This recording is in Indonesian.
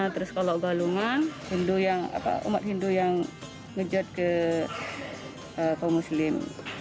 terus kalau balungan umat hindu yang ngejot ke kaum muslim